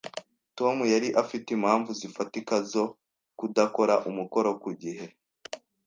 Tom yari afite impamvu zifatika zo kudakora umukoro ku gihe.